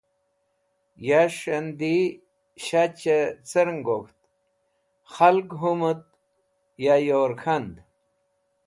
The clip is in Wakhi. Yas̃h andi shachẽ cer gok̃ht, kahlg hũmit ya yor k̃had.